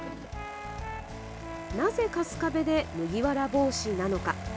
なぜ春日部で麦わら帽子なのか。